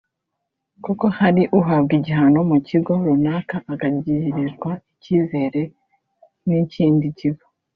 kuko hari uhabwa igihano mu kigo runaka akagirirwa icyizere n’ikindi kigo